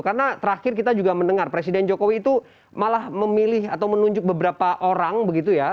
karena terakhir kita juga mendengar presiden jokowi itu malah memilih atau menunjuk beberapa orang begitu ya